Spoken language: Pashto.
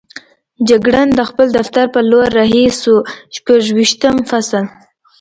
جګړن د خپل دفتر په لور رهي شو، شپږویشتم فصل.